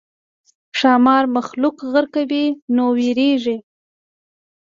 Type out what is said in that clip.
ښامار مخلوق غرقوي نو وېرېږي.